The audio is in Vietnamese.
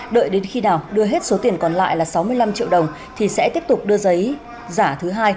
đợi đến khi nào đưa hết số tiền còn lại là sáu mươi năm triệu đồng thì sẽ tiếp tục đưa giấy giả thứ hai